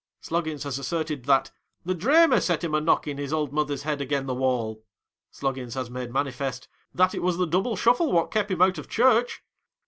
Sloggins has asserted that " the draynier set him a nockin his old mother's head again the wall." Slog gins has made manifest " that it was the double shuffle wot kep him out of church."